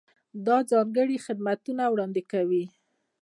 دا ځانګړي خدمتونه وړاندې کوي.